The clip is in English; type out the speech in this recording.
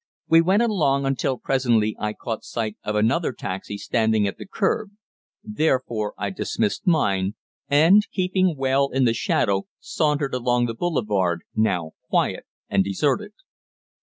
We went along, until presently I caught sight of another taxi standing at the kerb. Therefore I dismissed mine, and, keeping well in the shadow, sauntered along the boulevard, now quiet and deserted.